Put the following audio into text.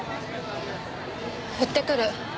売ってくる。